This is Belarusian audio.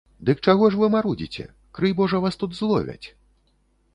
Дык чаго ж вы марудзіце, крый божа вас тут зловяць?